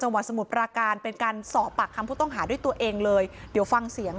ความต้องหาด้วยตัวเองเลยเดี๋ยวฟังเสียงค่ะ